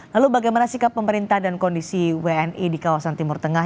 lalu bagaimana sikap pemerintah dan kondisi wni di kawasan timur tengah